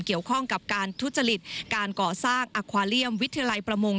เกี่ยวข้องกับการทุจริตการก่อสร้างอัควาเลียมวิทยาลัยประมง